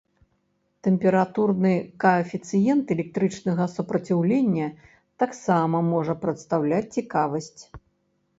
Тэмпературны каэфіцыент электрычнага супраціўлення таксама можа прадстаўляць цікавасць.